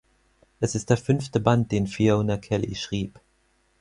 Es ist der fünfte Band, den Fiona Kelly schrieb.